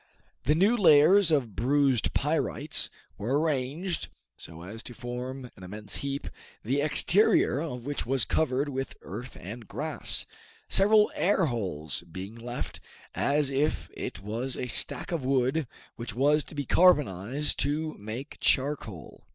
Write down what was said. Then new layers of bruised pyrites were arranged so as to form an immense heap, the exterior of which was covered with earth and grass, several air holes being left, as if it was a stack of wood which was to be carbonized to make charcoal.